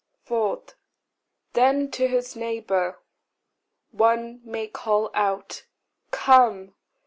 4. Then to his neighbour one may call out, "Come!